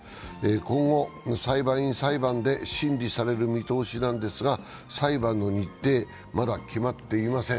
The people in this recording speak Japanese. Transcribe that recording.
今後、裁判員裁判で審理される見通しなんですが、裁判の日程、まだ決まっていません